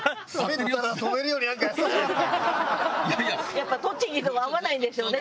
やっぱ栃木とは合わないんでしょうね